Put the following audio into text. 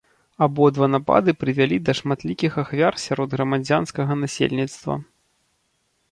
Абодва напады прывялі да шматлікіх ахвяр сярод грамадзянскага насельніцтва.